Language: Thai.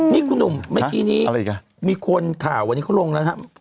นี่คุณหนุ่มเมื่อกี้นี้มีคนข่าววันนี้เขาลงแล้วนะครับ